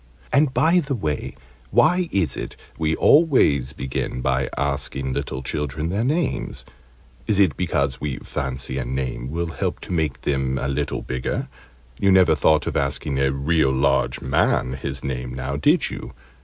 And, by the way, why is it we always begin by asking little children their names? Is it because we fancy a name will help to make them a little bigger? You never thought of asking a real large man his name, now, did you?